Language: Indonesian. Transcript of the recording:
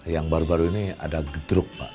yang baru baru ini ada gedruk pak